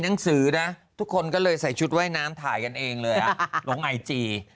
หนังสือนะทุกคนก็เลยใส่ชุดว่ายน้ำถ่ายกันเองเลยลงไอจี